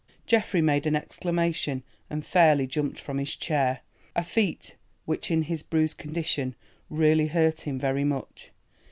Geoffrey made an exclamation and fairly jumped from his chair, a feat which in his bruised condition really hurt him very much.